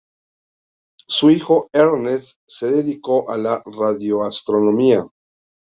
Su hijo Ernst se dedicó a la radioastronomía.